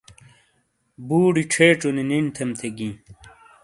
بوڑی ڇھیڇو نی نیݨ تھم تھے گئی۔